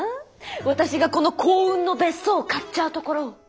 私がこの幸運の別荘を買っちゃうところを。